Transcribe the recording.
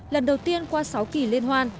lần đầu tiên qua sáu kỳ liên hoan